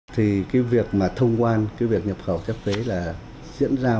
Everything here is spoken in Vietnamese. thì cái việc mà thông quan cái việc nhập khẩu chấp phế là diễn ra